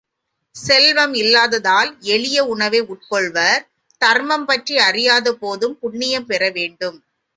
செல்வம் இல்லாததால் எளிய உணவை உட்கொள்வார், தர்மம் பற்றி அறியாதபோதும் புண்ணியம் பெற வேண்டும்.